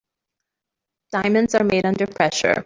Diamonds are made under pressure.